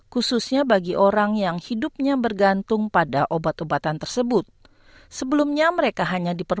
enam puluh hari bagi pemberian perubahan